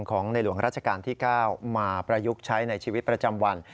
ของในหลวงราชการที่๙มาประยุกต์ใช้ในชีวิตประจำวัน